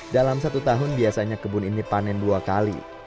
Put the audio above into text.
dalam satu tahun biasanya kebun ini panen dua kali